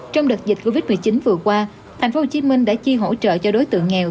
trong đợt dịch covid một mươi chín vừa qua tp hcm đã chi hỗ trợ cho đối tượng nghèo